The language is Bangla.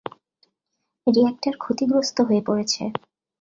রিয়্যাক্টার ক্ষতিগ্রস্ত হয়ে পড়েছে।